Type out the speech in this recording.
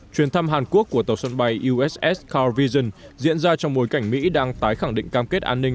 chuyến thăm hàn quốc của tàu sân bay uss carl vinson diễn ra trong mối cảnh mỹ đang tái khẳng định cam kết an ninh